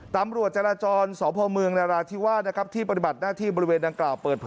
ตามรั่วจักรจรสพมนราธิวาสที่ปฏิบัติหน้าที่บริเวณต่างกล่าวเปิดเผย